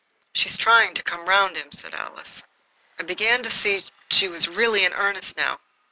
"She's trying to come round him," said Alice. I began to see she was really in earnest now.